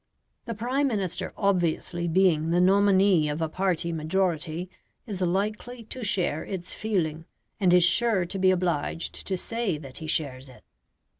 The Prime Minister obviously being the nominee of a party majority is likely to share its feeling, and is sure to be obliged to say that he shares it.